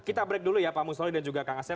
kita break dulu ya pak musola dan juga kang asep